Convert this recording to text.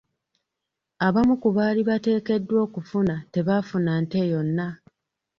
Abamu ku baali bateekeddwa okufuna tebaafuna nte yonna.